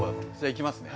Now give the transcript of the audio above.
いきますね。